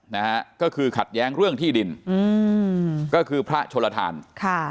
นะฮะก็คือขัดแย้งเรื่องที่ดินอืมก็คือพระชนลทานค่ะ